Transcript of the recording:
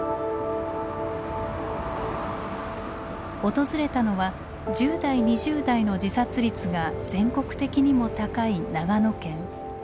訪れたのは１０代２０代の自殺率が全国的にも高い長野県。